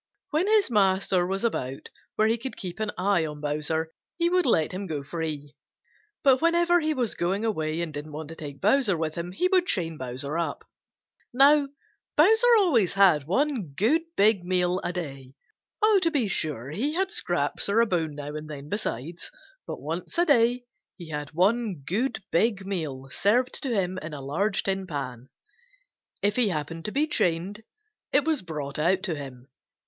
When his master was about, where he could keep an eye on Bowser, he would let him go free. But whenever he was going away and didn't want to take Bowser with him, he would chain Bowser up. Now Bowser always had one good big meal a day. To be sure, he had scraps or a bone now and then besides, but once a day he had one good big meal served to him in a large tin pan. If he happened to be chained, it was brought out to him.